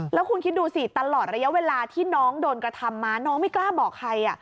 แล้วคุณคิดดูสิตลอดระยะเวลาที่น้องโดนกระทำมาน้องไม่กล้าบอกใคร